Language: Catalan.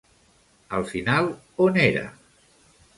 Al final, on era?